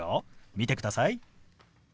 見てください。